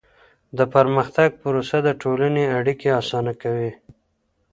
د پرمختګ پروسه د ټولني اړیکي اسانه کوي.